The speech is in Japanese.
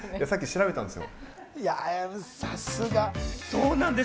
そうなんです。